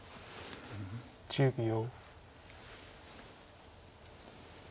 １０秒。